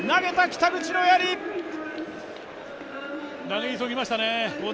投げ急ぎましたね。